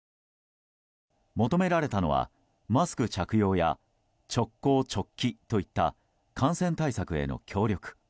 求められたのはマスク着用や直行直帰といった感染対策への協力。